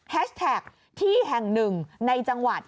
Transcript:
แท็กที่แห่งหนึ่งในจังหวัด